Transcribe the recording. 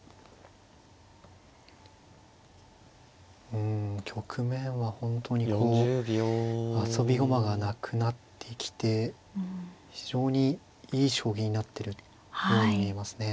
うん局面は本当にこう遊び駒がなくなってきて非常にいい将棋になってるように見えますね。